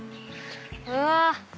うわ！